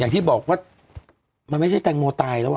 อย่างที่บอกว่ามันไม่ใช่แตงโมตายแล้วอ่ะ